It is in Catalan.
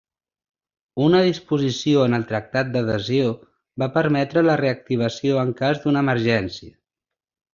Una disposició en el tractat d'adhesió va permetre la reactivació en cas d'una emergència.